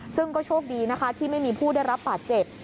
ซึ่งก็โชคดีนะคะที่ไม่มีผู้ได้รับบาดเจ็บ